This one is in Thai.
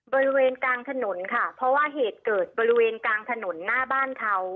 บริเวณกลางถนนค่ะเพราะว่าเหตุเกิดบริเวณกลางถนนหน้าบ้านเขา